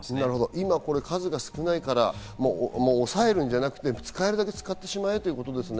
今、数が少ないから抑えるんじゃなくて、使えるだけ使ってしまえということですね。